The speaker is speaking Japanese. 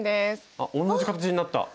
あっ同じ形になった。